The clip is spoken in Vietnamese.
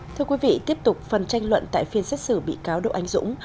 thưa quý vị tiếp tục phần tranh luận tại phiên xét xử bị cáo đỗ ánh dũng